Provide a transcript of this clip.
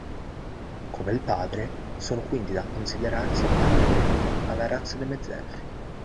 Come il padre, sono quindi da considerarsi appartenenti alla razza dei Mezzelfi.